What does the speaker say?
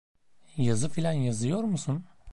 Yazı filan yazıyor musun?